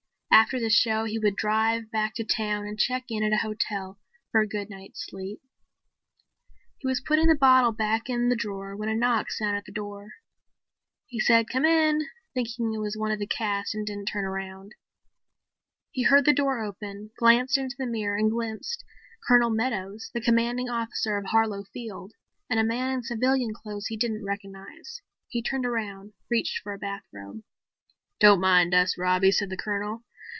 After the show he would drive back to town and check in at a hotel for a good night's sleep. He was putting the bottle back in the drawer when a knock sounded on the door. He said "Come in," thinking it was one of the cast and didn't turn around. He heard the door open, glanced into the mirror and glimpsed Colonel Meadows, the Commanding Officer of Harlow Field, and a man in civilian clothes he didn't recognize. He turned around, reached for a bathrobe. "Don't mind us, Robbie," said the Colonel.